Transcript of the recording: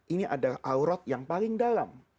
ini adalah aurat yang paling dalam